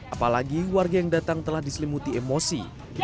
apalagi warga yang datang telah diselimuti emosi